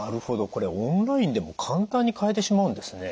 これオンラインでも簡単に買えてしまうんですね。